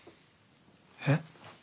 えっ？